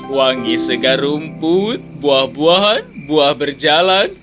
wangi segar rumput buah buahan buah berjalan